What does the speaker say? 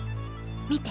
見て。